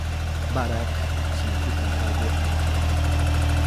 Barac ברק significa rayo en hebreo.